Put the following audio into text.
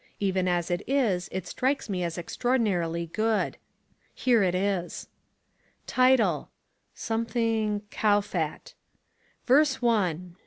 Even as it is it strikes me as extraordinarily good. Here it is: Title ...................... Kowfat Verse One ..........................,...............